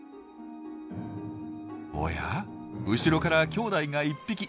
おや後ろからきょうだいが１匹。